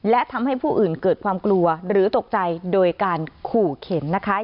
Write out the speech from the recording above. และทำให้ผู้อื่นเกิดความกลัวหรือตกใจโดยการขู่เข็นนะคะ